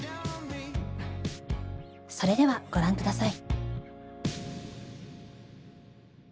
それではご覧下さい。